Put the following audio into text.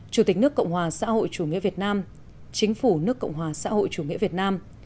chủ tịch nước cộng hòa xã hội chủ nghĩa việt nam chính phủ nước cộng hòa xã hội chủ nghĩa việt nam